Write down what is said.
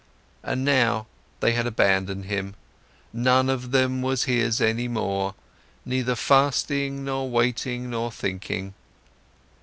And now, they had abandoned him, none of them was his any more, neither fasting, nor waiting, nor thinking.